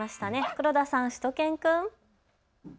黒田さん、しゅと犬くん。